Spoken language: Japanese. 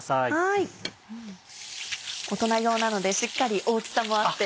大人用なのでしっかり大きさもあって。